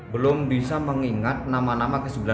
belum bisa mengingat nama nama kejadiannya